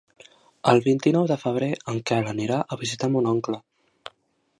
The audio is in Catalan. El vint-i-nou de febrer en Quel anirà a visitar mon oncle.